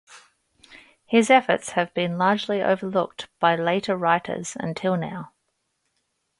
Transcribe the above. His efforts have been largely overlooked by later writers until now.